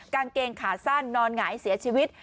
กางเกงขาสั้นนอนหงายเสียชีวิต